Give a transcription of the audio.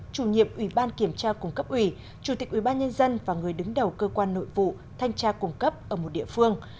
chủ nhiệm ủy ban kiểm tra cung cấp ủy chủ tịch ủy ban nhân dân và người đứng đầu cơ quan nội vụ thanh tra cung cấp ở một địa phương